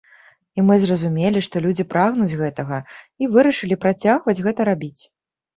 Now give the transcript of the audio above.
І мы зразумелі, што людзі прагнуць гэтага, і вырашылі працягваць гэта рабіць.